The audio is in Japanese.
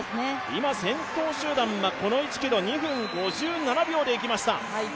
今先頭集団はこの１ｋｍを２分５７秒でいきました。